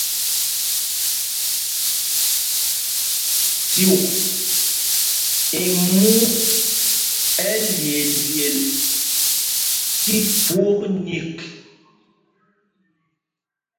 Cyûk i mu malyeelyel tí phwok nyik.